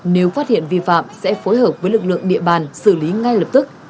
nếu phát hiện vi phạm sẽ phối hợp với lực lượng địa bàn xử lý ngay lập tức